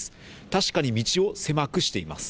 確かに道を狭くしています。